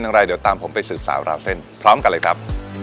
อย่างไรเดี๋ยวตามผมไปสืบสาวราวเส้นพร้อมกันเลยครับ